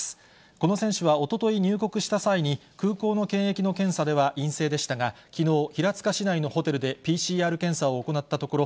この選手はおととい入国した際に、空港の検疫の検査では陰性でしたが、きのう、平塚市内のホテルでＰＣＲ検査を行ったところ、